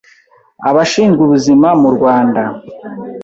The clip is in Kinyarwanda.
Abashinzwe ubuzima mu Rwanda